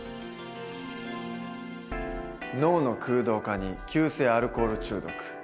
脳の空洞化に急性アルコール中毒。